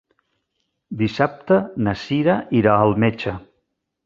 Dissabte na Sira irà al metge.